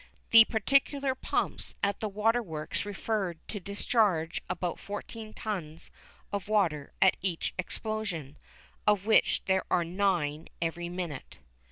The particular pumps at the waterworks referred to discharge about fourteen tons of water at each explosion, of which there are nine every minute.